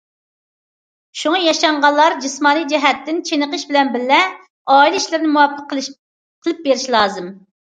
شۇڭا ياشانغانلار جىسمانىي جەھەتتىن چېنىقىش بىلەن بىللە، ئائىلە ئىشلىرىنى مۇۋاپىق قىلىپ بېرىشى لازىم.